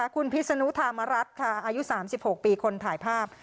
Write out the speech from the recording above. คุณพิศนุธรรมรัฐค่ะอายุ๓๖ปีคนถ่ายภาพ